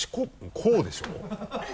こうでしょ？